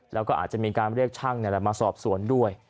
แล้วก็อาจจะมีการเรียกช่างมาสอบสวนด้วย